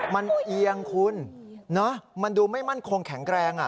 มันเอียงคุณมันดูไม่มั่นคงแข็งแรง